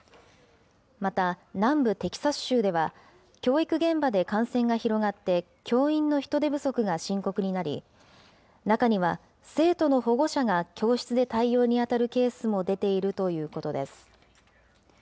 また、南部テキサス州では、教育現場で感染が広がって、教員の人手不足が深刻になり、中には、生徒の保護者が教室で対応に当たるケースも出ているということです。